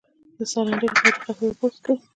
د ساه لنډۍ لپاره د قهوې اوبه وڅښئ